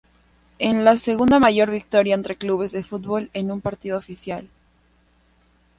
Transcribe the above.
Es la segunda mayor victoria entre clubes de fútbol en un partido oficial.